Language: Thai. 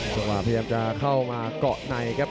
พยายามจะเข้ามาเกาะในครับ